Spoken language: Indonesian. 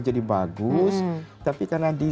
jadi bagus tapi karena di